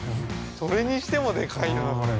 それにしてもでかいな、これ。